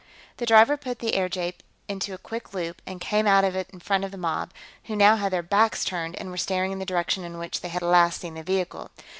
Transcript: The driver put the airjeep into a quick loop and came out of it in front of the mob, who now had their backs turned and were staring in the direction in which they had last seen the vehicle.